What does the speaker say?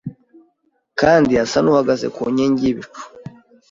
kandi asa n’uhagaze ku nkingi y’ibicu!